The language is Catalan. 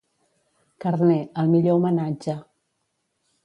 «Carner, el millor homenatge».